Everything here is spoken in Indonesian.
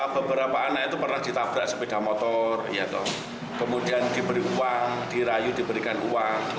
beberapa anak itu pernah ditabrak sepeda motor kemudian diberi uang dirayu diberikan uang